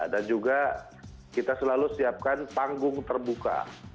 dan juga kita selalu siapkan panggung terbuka